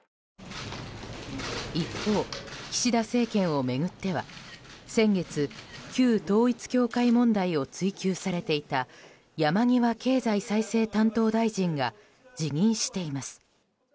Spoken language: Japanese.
一方、岸田政権を巡っては先月旧統一教会問題を追及されていた山際経済再生担当大臣が辞任しています。